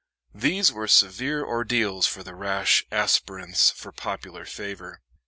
These were severe ordeals for the rash aspirants for popular favor.